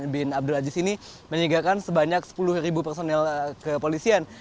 bin abdul aziz ini menyegarkan sebanyak sepuluh ribu personil kepolisian